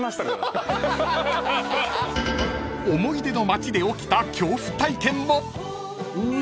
［思い出の街で起きた恐怖体験も］